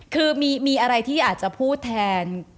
คือมีอะไรที่อาจจะพูดแทน